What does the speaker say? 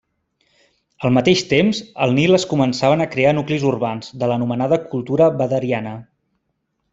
Al mateix temps, al Nil es començaven a crear nuclis urbans, de l'anomenada cultura Badariana.